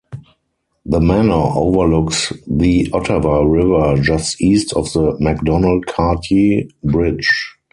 The manor overlooks the Ottawa River just east of the Macdonald-Cartier Bridge.